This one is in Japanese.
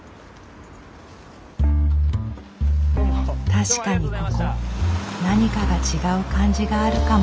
確かにここ何かが違う感じがあるかも。